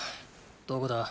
どこだ？